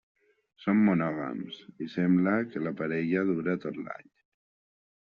Són monògams, i sembla que la parella dura tot l'any.